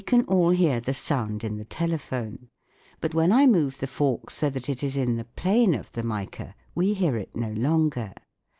can all hear the sound in the telephone ; but when I move the fork so that it is in the plane of the mica we hear it no longer.